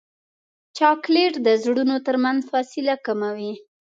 چاکلېټ د زړونو ترمنځ فاصله کموي.